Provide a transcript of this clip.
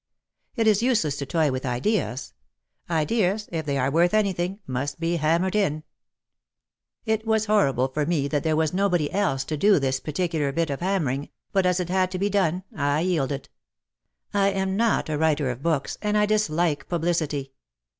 It is useless to toy with Ideas. Ideas, if they are worth anything, must be hammered in. It was horrible forme that there was nobody ^/j^ to do this particular bit of hammering, but as it had to be done I yielded. I am not a writer of books, and I dislike publicity.